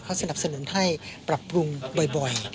เขาสนับสนุนให้ปรับปรุงบ่อย